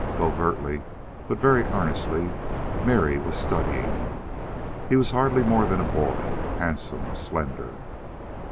Covertly, but very earnestly, Mary was studying him. He was hardly more than a boy handsome, slender.